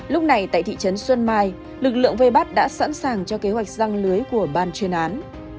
lúc này tại thị trấn xuân mai lực lượng vây bắt đã sẵn sàng cho kế hoạch răng lưới của ban chuyên án